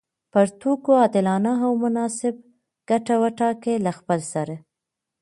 پر توکو عادلانه او مناسب ګټه وټاکي له خپلسري